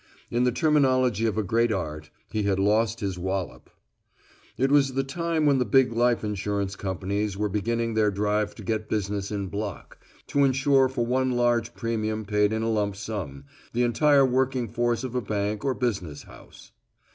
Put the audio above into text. In the terminology of a great art, he had lost his wallop. It was the time when the big life companies were beginning their drive to get business in block; to insure for one large premium paid in a lump sum, the entire working force of a bank or business house.